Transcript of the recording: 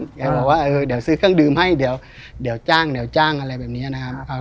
แกบอกว่าเออเดี๋ยวซื้อเครื่องดื่มให้เดี๋ยวจ้างอะไรแบบนี้นะครับ